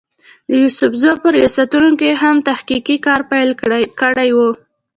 د يوسفزو پۀ رياستونو هم تحقيقي کار پېل کړی وو